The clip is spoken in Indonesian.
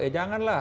ya jangan lah